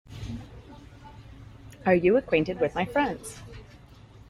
Are you acquainted with my friends?